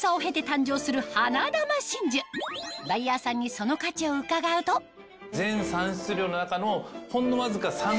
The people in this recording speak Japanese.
バイヤーさんにその価値を伺うとほんのわずか。